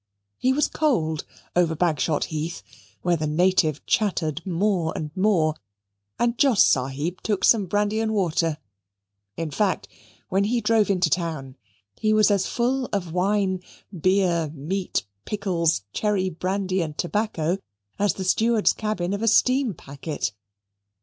He was cold over Bagshot Heath, where the native chattered more and more, and Jos Sahib took some brandy and water; in fact, when he drove into town he was as full of wine, beer, meat, pickles, cherry brandy, and tobacco as the steward's cabin of a steam packet.